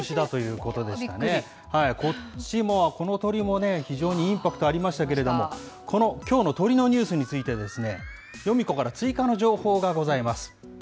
こっちも、この鳥も非常にインパクトありましたけれども、この、きょうの鳥のニュースについてですね、ヨミ子から追加の情報がございます。